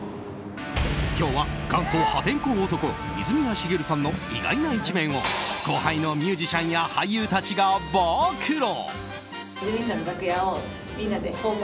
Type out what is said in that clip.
今日は元祖破天荒男泉谷しげるさんの意外な一面を後輩のミュージシャンや俳優たちが暴露。